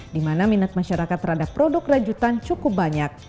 di mana minat masyarakat terhadap produk rajutan cukup banyak